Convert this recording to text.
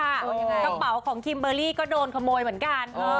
กระเป๋าของคิมเบอร์รี่ก็โดนขโมยเหมือนกัน